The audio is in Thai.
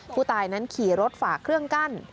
ผู้ตายนั้นขี่รถฝากเครื่องกั้น